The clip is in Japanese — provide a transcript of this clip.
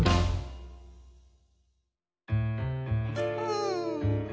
うん。